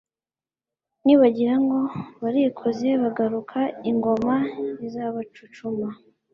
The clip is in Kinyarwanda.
Nibagira ngo barikoze bagaruka, Ingoma izabacucuma